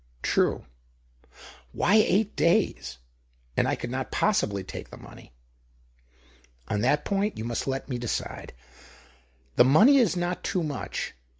" True. Why eight days ? And I could Qot possibly take the money." " On that point you must let me decide. The money is not too much.